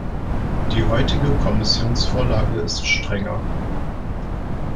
Die heutige Kommissionsvorlage ist strenger.